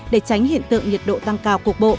để tránh hiện tượng nhiệt độ tăng cao cục bộ